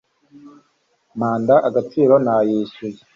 manda, agaciro nayishyuye